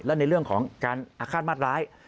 และในเรื่องของอาฆาตมาตรก็ให้